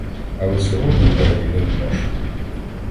Але сьогодні перемінив пашу.